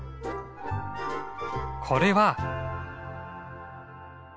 これは。